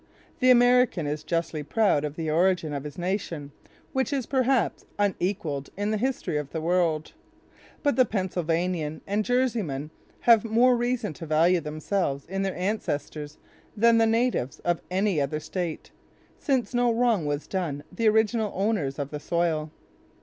The American is justly proud of the origin of his nation, which is perhaps unequaled in the history of the world; but the Pennsylvanian and Jerseyman have more reason to value themselves in their ancestors than the natives of any other state, since no wrong was done the original owners of the soil.